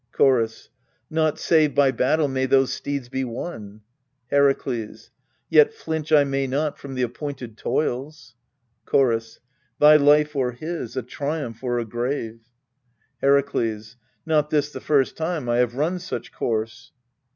Chorus. Not save by battle may those steeds be won. Herakles. Yet flinch I may not from the appointed toils. Chorus. Thy life or his a triumph or a grave. Herakles. Not this the first time I have run such course.